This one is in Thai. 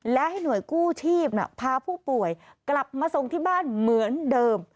และให้หน่วยกู้ชีพพาผู้ป่วยกลับมาส่งที่บ้านเหมือนเดิม